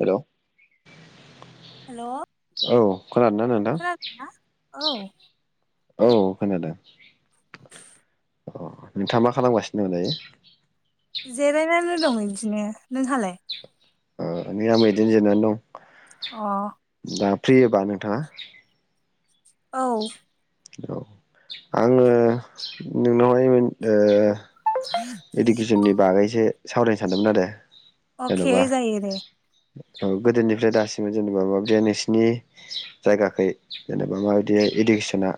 Hello हेल' औ खोनादों ना नोंथां? खोनादोंना औ औ खोनादों अ नोंथांङा मा खालामगासिनो दं दायो? जिरायनानै दं इदिनो नोंहालाय? अ नै आंबो इदिनो जिननानै दं। अ दा फ्रियोबा नोंथांङा? औ औ आंङो नोंनावहाय मोन ओ? इडुकेसननि बागैसो सावरायनो सानदोंमोन आरो अके जेन'बा जायो दे औ गोदोनिफ्राय दासिम जेनेबा माबायदिहाय नोंसिनि जायगाखै जेनेबा माबायदि हाय इडुकेसना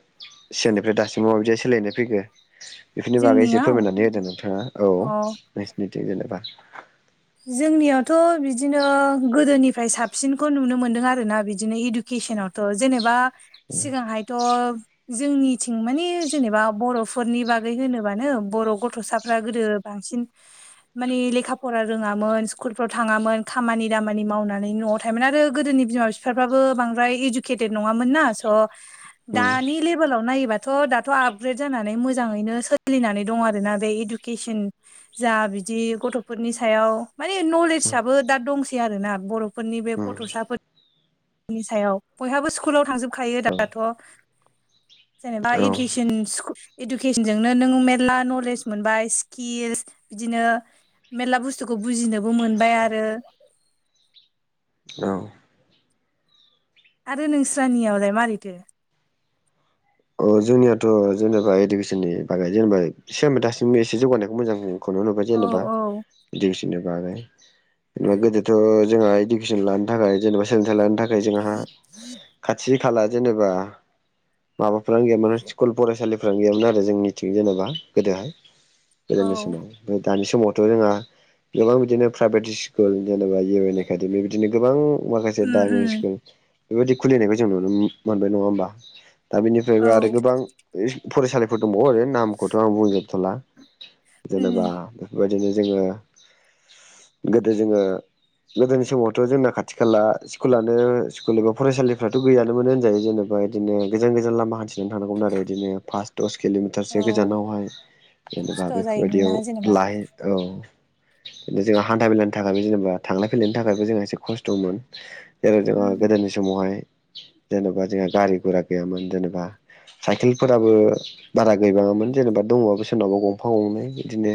सिगांनिफ्राय दासिमाव माबायदि सोलायनाय फैखो बेफोरनि बागै एसे जोंनियाव फोरमायनानै होदो नोंथांङा औ अ नोंसिनिथिं जेनेबा जोंनियावथ' बिदिनो गोदोनिफ्राय साबसिनखौ नुनो मोनदों आरोना बिदिनो इडुके केसनावथ' जेनेबा सिगांहायथ' जोंनिथिं माने जेनेबा बर'फोरनि बागै होनोबानो बर' गथ'साफ्रा गोदो बांसिन माने लेखा फरा रोंङामोन स्कुलफ्राव थांङामोन खामानि दामानि मावनानै न'आव थायोमोन आरो गोदोनि बिफाफ्राबो बां द्राय इडुकेतेत नंङामोन ना स' उम दानि लेबेलाव नायोबा थ' दाथ' आपग्रेद जानानै मोजांङैनो सोलिनानै दं आरोना बे इडुकेसन जा बिदि गथ'फोरनि थायाव माने उम नलेजाबो दा दंसै आरोना बर'फोरनि बे गथ'साफोरनि नि सायाव बयहाबो स्कुलाव थांजोबखायो उम दाथ' जेनेबा औ इगेसन इडुकेसनजोंनो नों मेरला नलेज मोनबाय स्किल बिदिनो मेरला बुस स्थुखौ बुजिनोबो मोनबाय आरो औ आरो नोंस्रानियावलाय मोरैथो? अ जोंनियाथ' जेनेबा इडुकेसननि बागै जेनेबा सिगां दासिमबो एसे जौगानायखौ मोजां मोनो खौनो नुबाय औ जेनेबा औ इडुकेसननि बागै जेनेबा गोदोथ' जोंहा इडुकेसन लानो थाखाय जेनेबा सोलोंथाइ लानो थाखाय जोंहा खाथि खाला जेनेबा माबा फ्रानो गैयामोन स्कुल फरायसालिफोरानो गैयामोन आरो जोंनिथिं जेनेबा गोदोहाय औ गोदोनि समाव दानि समावथ' जोंहा गोबां बिदिनो प्राइभेट स्कुल जेनेबा इउ एन एकाडेमि बिदिनो गोबां माखासे उम डायमन उम स्कुल बेबायाददि खुलिनायखौ जों नुनो मोनबाय नंङा होमबा बेबो औ आरो गोबां ओइ फरायसालिफोर दंबावो आरो नामखौथ' आं बुंजोबथ'ला जेनेबा उम बेफोरबायदिनो जोंङो गोदो जोंङो गोदोनि समावथ' जोंना खाथि खाला स्कुलानो स्कुल एबा फरायसालिफ्राथ' गैयानो मोन होनजायो जेनेबा बायदिनो‌ गोजान गोजान लामा हान्थिनानै थांनांगौमोन‌ आरो इदिनो फास दस किल'मिटारसो औ गोजानावहाय जेनेबा खस्थ' जायोमोन बेफोरबायदियाव ना जेनेबा लाहै औ नो जोंहा हान्था मेलानि थाखायबो जेनेबा थांलाय फैलायनि थाखायबो जोंहा एसे खस्थ'मोन जेराव जों उम गोदोनि समावहाय जेनेबा जोंहा गारि गुरा गैयामोन जेनेबा साइकेलफोराबो बारा गैबांङामोन जेनेबा दंङबाबो सोरनावबा गंफा गंनै बिदिनो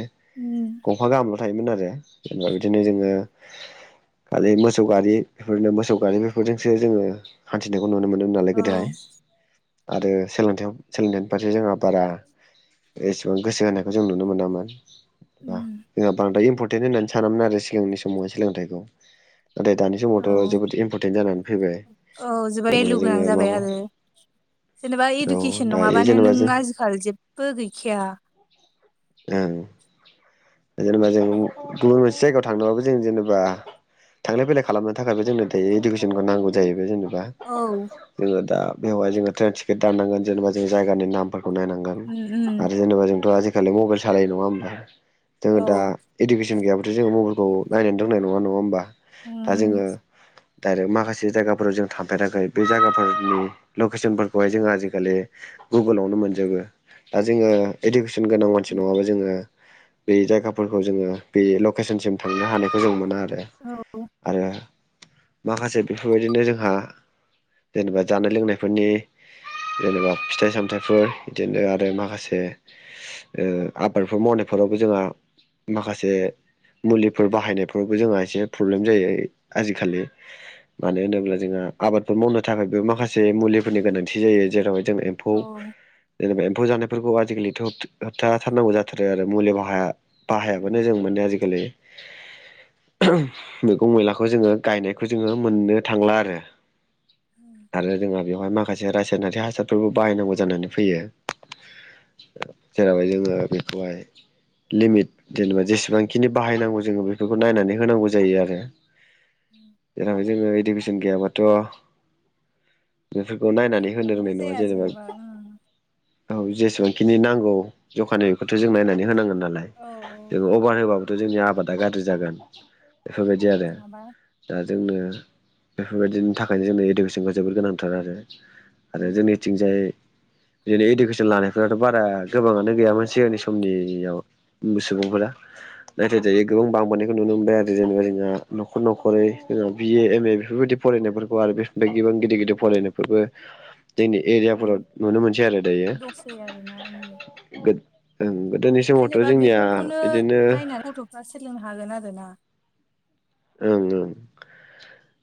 गंफा गाहामल' थायोमोन आरो जेनेबा बिदिनो जोंङो खालि मोसौ गारि बेफोरनो मोसौ गारि बेफोरजोंसो जोंङो हान्थिदों नुनो मोनोमोन नालाय औ गोदोहाय आरो सोलोंथयाव सोलोंथाइनि फारसे जोंहा बारा एसेबां गोसो होनायखौ जों नुनो मोनामोन बा जोंहा बांद्राय इमपरटेन्ट होननानै सानामोन आरो सिगांनि समावहाय सोलोंथाइखौ नाथाय दानि समावथ' औ जोबोद इमपरटेन्ट जानानै फैबाय औ जोबोद भेलु जेनेबा जों गोनां जाबाय माबा आरो जेनेबा औ इडुकेसन दायो नङाबानो जेनेबा नों जों आजिखालि जेबबो गैखाया ओं जेनेबा जों गुबुन मोनसे जायगायाव थांनोबाबो जों जेनेबा थांलाय फैलाय खालामनो थाखायबो जोंनो दायो इडुकेसनखौ नांगौ जायैबाय जेन'बा औ उम जोंङो दा बेवहाय जोङो ट्रेन टिकेट दाननांगोन जेनेबा जों जायगानि नामफोर खौ नायनांगोन उम आरो जेनेबा जोंथ' आजिखालि मबाइल सालायो नङा होमबा जोङो औ दा इडुकेसन गैयाब्लाथ' जोङो मबाइलखौ उम नायनोनो रोंनाय नङा नङा होमबा दा उम जोङो दाआरो माखासे जायगाफोराव जों थांफेराखै बे जायगाफोरनि लकेसनफोरखौ जोंङो आजिखालि गुगोलावनो मोनजोबो दा जोङो इडुकेसन गोनां मानसि नङाबा जोङो बे जायगाफोरखौ जोङो बे लकेसनसिम थांनो हानायखौ जों मोना ओ औ आरो माखासे बेफोरबायदिनो जोंहा जेनेबा जानाय लोंनायफोरनि जेनेबा फिथाइ सामथायाइफोर बिदिनो आरो माखासे ओ आबादफोर मावनायफोरावबो जोंहा माखासे मुलिफोर बाहायनायफोरावबो जोंहा एसे प्रब्लेम जायो आजिखालि मानो होनोब्ला जोंहा आबादफोर मावनो थाखायबो माखासे मुलिफोरनि गोनांथि जायो जेरावहाय जों एम्फौ औ जेनेबा एम्फौ जानायफोरखौ आजिखालि होब-होबथा हाथारनांगौ जाथारो आरो मुलि उम बाहा-बाहायाबानो जों मोनो आजिखालि [inaudible] मैगं मैलाखौ जोङो गायनायखौ जोङो मोननो थांला आरो आरो जोंहा बेवहाय माख माखासे रासायनारि हासारफोरबो बाहायनांगौ जानानै फैयो जेराव जोंङो बेखौहाय लिमिट जेनेबा जेसेबांखिनि बाहायनांगौ जोङो बेफोरखौ नायनानै होनांगौ जायो आरो जेराव जोङो इडुकेसन गैयाबाथ' बेफोरखौ नायनानै होनो जेबोआनो रोंनाय नङा जाया जेनेबा उम औ जेसेबां खिनि नांगौ जखानि बेखौथ' जों नायनानै होनांगोन नालाय औ औ जों अभार होब्लाबो थ' जोंनि आबादा गाज्रि जागोन बेफोरबायदि आरो नङाबा दा जोंनो बेफोरबायदिनि थाखायनो जोंनो इडुकेसनखौ जोबोद गोनांथार आरो आरो उम जोंनिथिंजाय बिदिनो इडुकेसन लानाय खोथाथ' बारा गोबाङानो गैयामोन सिगांनि समनियाव सुबुंफोरा नायथाय दायो गो गोबां बांबोनायखौ नुनो मोनबाय आरो जेनेबा जोंहा न'खर न'खरै जोंहा बिए एम ए बेफोरबायदि फरायनायफोरखौ आरो बेफोर गोबां गिदिर गिदिर फरायनायफोरबो जोंनि एरियाफोराव नुनो मोनसै आरो दायो ए आरो ना उम ओं गोदोनि समावथ' जेनेबा जोंनिया बेफोरखौनो बिदिनो नायनानै गथ'फ्रा सोलोंनो हागोन आरो ना ओं ओं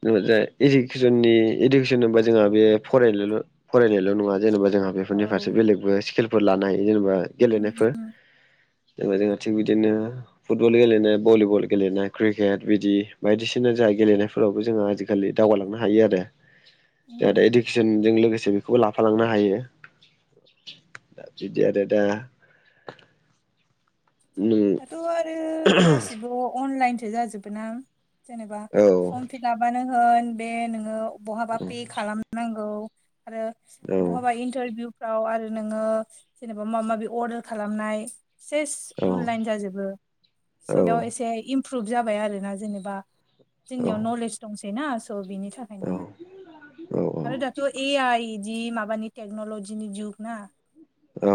बेयावथ इडुकेसननि इडुकेसन होनबा जोंहा बेयो फरायनायल' फरायनायल नङा जेनेबा जोंहा औ बेफोरनि फारसे बेलेग बे स्किलफोर लानो हायो जेनेबा उम गेलेनायफोर जेनबा जोंङो थिग बिदिनो फुटबल गेलेनाय भलिबल गेलेनाय क्रिकेट बिदि बायदिसिना जाहा गेलेनायफोरावबो जोंहा आजिखालि दावगालांनो हायो आरो उम जाहाथे इडुकेसनजों लोगोसे बेखौबो लाफालांनो हायो दा बिदि आरो दा नों दाथ' आरो गासिबो अनलाइनसो जाजोबो ना जेनेबा औ फर्म फिलाप आनो होन बे नोङो बहाबा पे खालामनांगौ आरो औ बहाबा इन्टारभिउफ्राव आरो नोङो जेनेबा माबा माबि अर्डार खालामनाय सेस औ अनलाइन जाजोबो सबाव औ एसे इमप्रुभ जाबाय आरोना जेनेबा जोंनियाव नलेज दंसैना बिनि थाखायनो औ आरो औ दाथ' ए आइ जि माबानि टेक्नलजिनि जुग ना औ।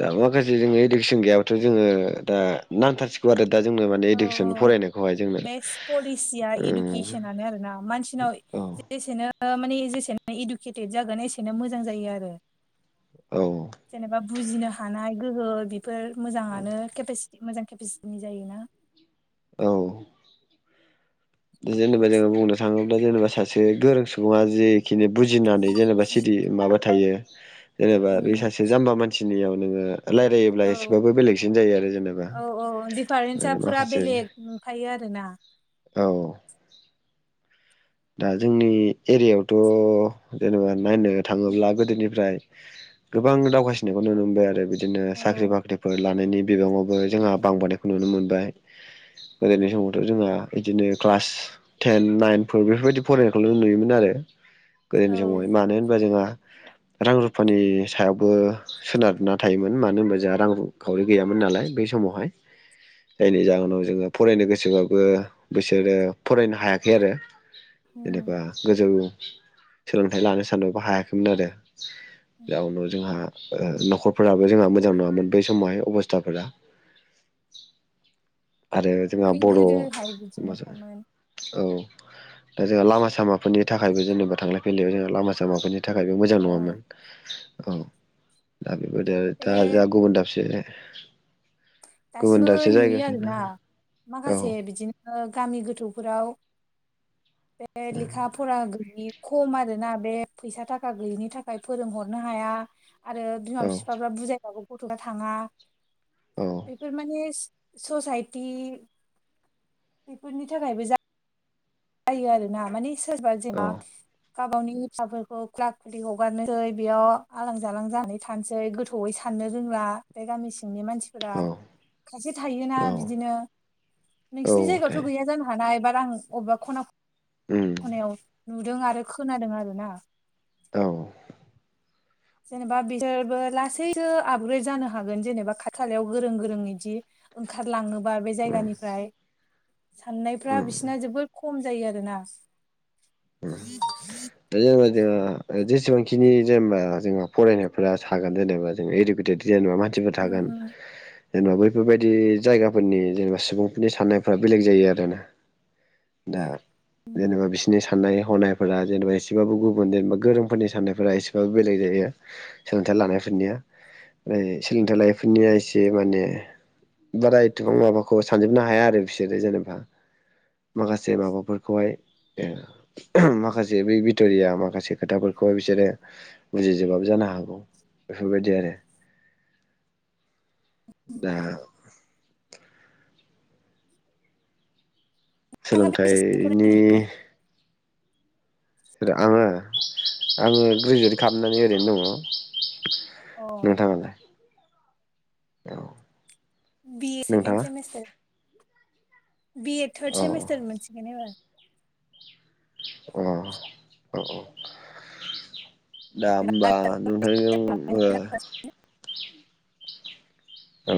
दा माखासे जोङो इडुकेसन गैयाबाथ' जोङो दा नांथारसिगौ आरो दा जोंनो माने औ इडुकेसन औ फरायनायखौहाय जोंनो बेस्ट पलिसिया इडुकेसनानो आरोना मानसिनाव ओ जेसेनो माने जेसेनो इडुकेटेद जागोन एसेनो मोजां जायो आरो। औ। जेनेबा बुजिनो हानाय गोहो बेफोर मोजाङानो केपास्टि मोजां केपास्टिनि जायोना। औ। जेनेबा जोङो बुंनो थाङोब्ला जेनेबा सासे गोरों सुबुङा जे खिनो बुजिनानै जेनेबा सिरि माबा थायो। जेनेबा बे उम सासे जाम्बा मानसिनियाव नोङो रायलायोब्ला एसेबाबो बेलेगसिन जायो आरो जेनेबा दिफारेन्सा ओरैनो फुरा माखासे बेलेग ओंखायो आरो ना औ। दा जोंनि एरियायावथ' जेनेबा नायनो थाङोब्ला गोदोनिफ्राय गोबां दावगासिनायखौ नुनो मोनबाय आरो बिदि नो औ साख्रि-बाख्रिफोर लानायनि बिबाङावबो जोंहा बांबोनायखौ नुनो मोनबाय। गोदोनि समावथ' जोंहा बिदिनो क्लास टेन, नाइन फोर बेफोरबायदि फरायनायखौल' नुयोमोन आरो गोदोनि समावहाय औ मानो होनबा जोंहा रां रुफानि सायावबो सोनारना थायोमोन मानो होनबा जोंहा रां रु खावरि गैयामोन नालाय बै समाव समावहाय जायनि जाहोनाव जोङो फरायनो गोसोबाबो बिसोरो फरायनो हायाखै आरो। उम जेनेबा गोजौ सोलोंथाइ लानो सानबाबो हायाखैमोन आरो। बेयावनो जोंहा ओ न'खरफोराबो जोंहा मोजां नङामोन बै समावहाय अबस्थाफोरा आरो जोंहा माने बर'औ गोदोहाय बिदिनो खामोन [inaudible] दा जोंहा लामा-सामाफोरनि थाखायबो जेनेबा थांलाय-फैलायाव जोंहा लामा-सामाफोरनि थाखायबो मोजां औ नङामोन। औ दा बेबायदि आरो बे दा जोंहा गुबुन दाबसे गुबुन दासिमबो दाबसे नुयो जायगाजोंनो आरोना, औ माखासे बिदिनो गामि गोथौफोराव औ बे लेखा फरा गैयि खम आरोना बे फैसा थाखा गैयिनि थाखाय फोरोंहरनो हाया आरो बिमा बिफाफ्रा बुजायबाबो गथ'वा थाङा। बेफोर माने ससायटि बेफोरनि थाखायबो जा यो आरोना माने सोरबा जेनेबा गावबावनि फिसाफोरखौ खुला खुलि हगारनोसै बेयाव आलां-जालां जानानै थानोसै, गोथौयै सान नो रोंला बे गामि सिंनि मानसिफोरा, खायसे थायोना बिदिनो नोंसिनि जायगायावथ' थायो गैया जानो हानाय बा आं अबेबा खना खनायाव नुदों आरो खोनादों आरोना। औ। जेनेबा बिसोरबो लासैसो आपग्रेद जानो हागोन जेनेबा खाथि खालायाव गोरों गोरों इदि ओंखारलाङोबा बे उम जायगानिफ्राय साननायफ्रा उम बिसिना जोबोद खम जायो आरोना जोङो जेसेबांखिनि जेनेबा जोंहा फरायनायफ्रा थागोन जेनेबा जों इडुकेटेड जेनेबा मानसिफोर उम थागोन उम जेनेबा बैफोरबायदि जायगाफोरनि जेनेबा सुबुंफोरनि साननायफ्रा बेलेग जायो आरोना। दा जेनेबा बिसिनि सा साननाय हनायफोरा जेनेबा एसेबाबो गुबुन जेनेबा गोरोंफोरनि साननायफोरा एसेबाबो बेलेग जायो। सोलों लानायफोरनिया ओ सोलोंथाइ लायैफोरनिया एसे माने बारा एथबां माबाखौ सानजोबनो हाया आरो बिसोरो जेनेबा। माखासे माबाफोरखौहाय माखासे बै भिट'रिया माखासे खोथाफोरखौहाय बिसोरो बुजिजोबाबो जानो हागौ। बेफोरबायदि आरो। दा नोंथाङा बेसेसिम सोलोंथाइनि फरायनाय आङो आङो ग्रेजुवेट खालामनानै ओरैनो दङ। अ नोंथाङालाय? औ बि ए सेकेण्ड नोंथाङा सेमेस्टार बि एड थार्द अ सेमिस्टार मोनसिगोन एबार। अ अ औ औ दा होमबा नोंथां ओ औ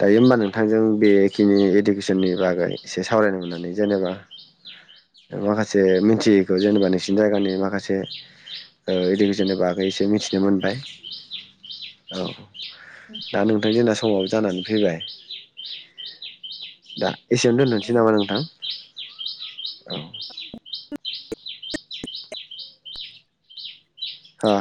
दायो होमबा नोंथांजों बेखिनि इडुकेसननि बागै एसे सावरायनो मोननानै जेनेबा माखासे मिथियैखौ जेनेबा नोंसिनि जायगानि माखासे ओ इडुकेसननि बागै एसे मिथिनो मोनबाय। औ दा नोंथां जोंना समाव जानानै फैबाय दा एसेयावनो दोनसै औ नामा नोंथां औ हा